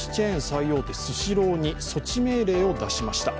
最大手スシローに措置命令を出しました。